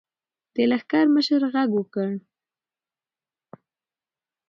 د لښکر مشر غږ وکړ.